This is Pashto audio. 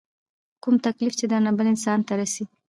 کوم تکليف چې درنه بل انسان ته رسي